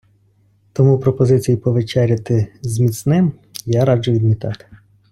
Тому пропозиції повечеряти з міцним я раджу відмітати.